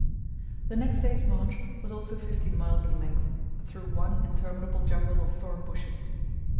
The next day's march was also fifteen miles in length, through one interminable jungle of thorn bushes.